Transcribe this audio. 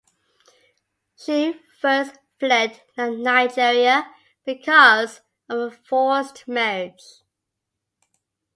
She first fled Nigeria because of a forced marriage.